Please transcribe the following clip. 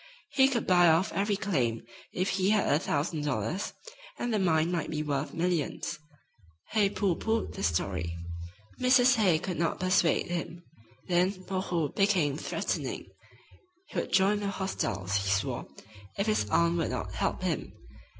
He could buy off every claim if he had a thousand dollars, and the mine might be worth millions. Hay pooh poohed the story. Mrs. Hay could not persuade him. Then "Moreau" became threatening. He would join the hostiles, he swore, if his aunt would not help him.